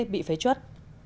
bị phế chuất